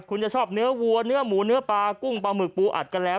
คุณจะชอบเนื้อวัวเนื้อหมูเนื้อปลากุ้งปลาหมึกปูอัดกันแล้ว